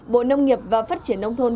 bộ nông nghiệp và phát triển nông thôn